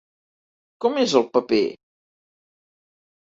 Com és el paper?